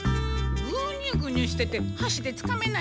ぐにゅぐにゅしててはしでつかめないじゃないの。